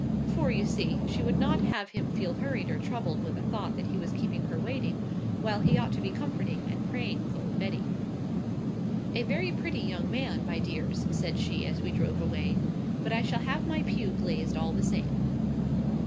For, you see, she would not have him feel hurried or troubled with a thought that he was keeping her waiting, while he ought to be comforting and praying with old Betty. "A very pretty young man, my dears," said she, as we drove away. "But I shall have my pew glazed all the same."